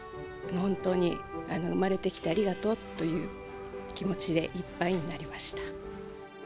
本当に産まれてきてありがとうという気持ちでいっぱいになりました。